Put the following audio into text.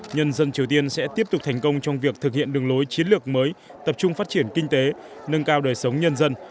nhân dân triều tiên sẽ tiếp tục thành công trong việc thực hiện đường lối chiến lược mới tập trung phát triển kinh tế nâng cao đời sống nhân dân